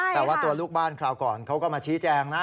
แต่ว่าตัวลูกบ้านคราวก่อนเขาก็มาชี้แจงนะ